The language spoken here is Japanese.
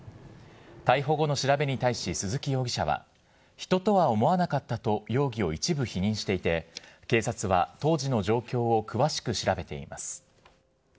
逮捕後の調べに対し鈴木容疑者は、人とは思わなかったと容疑を一部否認していて、警察は当時の状況を詳しく調べています。